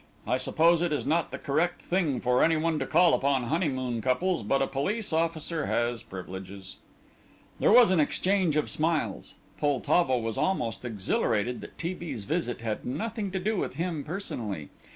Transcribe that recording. I suppose it is not the correct thing for any one to call upon honeymoon couples, but a police officer has privileges." There was an exchange of smiles. Poltavo was almost exhilarated that T. B.'s visit had nothing to do with him personally.